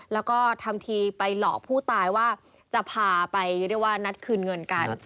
แล้วก็ทำทีไปหลอกผู้ตายว่าจะพาไปเรียกว่านัดคืนเงินกัน